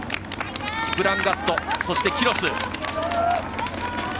キプランガット、そしてキロス。